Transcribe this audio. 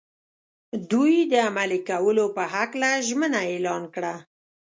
دوی د عملي کولو په هکله ژمنه اعلان کړه.